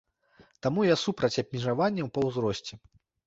Таму я супраць абмежаванняў па ўзросце.